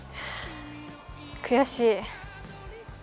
悔しい。